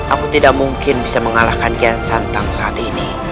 aku tidak mungkin bisa mengalahkan kian santang saat ini